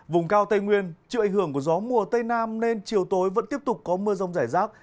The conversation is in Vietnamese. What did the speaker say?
vùng cao tây nguyên chịu ảnh hưởng của gió mùa tây nam nên chiều tối vẫn tiếp tục có mưa rông rải rác